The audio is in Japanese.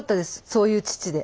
そういう父で。